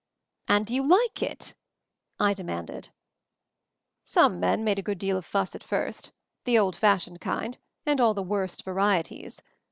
"And do you like it?" I demanded. "Some men made a good deal of fuss at first — the old fashioned kind, and all the worst varieties.